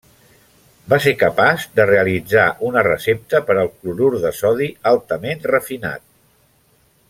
Va ser capaç de realitzar una recepta per al clorur de sodi altament refinat.